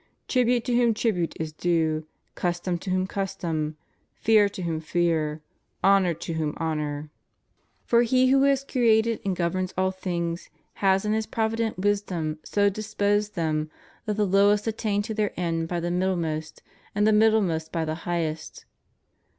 Trihute to whom trihute is du£; custom to whom custom; fear to whom fear; honor to whom honor.^ For He who has created and governs all things, has in His provident wisdom so disposed them that the lowest attain to their end by the middlemost, and the middlemost by the highest.